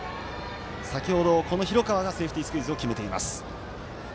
先ほどは広川がセーフティースクイズを決めています。